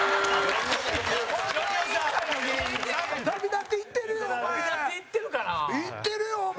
旅立っていってるよ、お前。